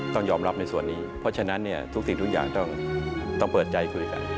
ต้องยอมรับในส่วนนี้เพราะฉะนั้นทุกสิ่งทุกอย่างต้องเปิดใจคุยกัน